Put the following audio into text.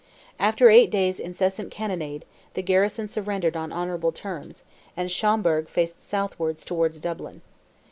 After eight days' incessant cannonade, the garrison surrendered on honourable terms, and Schomberg faced southward towards Dublin.